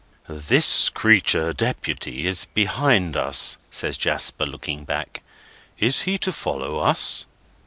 "This creature, Deputy, is behind us," says Jasper, looking back. "Is he to follow us?"